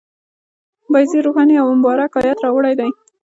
بایزید روښان یو مبارک آیت راوړی دی.